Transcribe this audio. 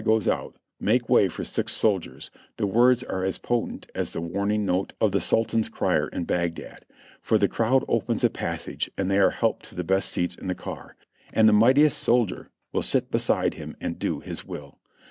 goes out, "Make way for sick soldiers," the words are as potent as the warning note of the Sultan's crier in Bagdad ; for the crowd opens a passage and they are helped to the best seats in the car; and the mightiest soldier will sit beside him and do his will.